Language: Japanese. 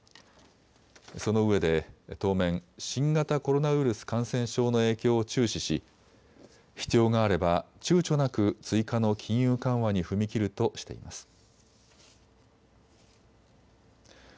そのうえで当面、新型コロナウイルス感染症の影響を注視し必要があれば、ちゅうちょなく追加の金融緩和に踏み切るとしています。